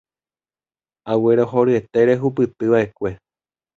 Aguerohoryete rehupytyva'ekue.